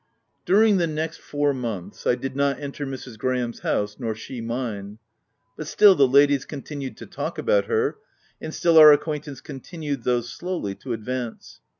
During the next four months, I did not enter Mrs. Graham's house, nor she mine ; but still, the ladies continued to talk about her, and still, our acquaintance continued, though slowly, to advance.